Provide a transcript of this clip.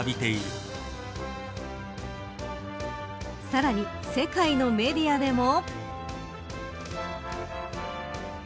さらに、世界のメディアでも。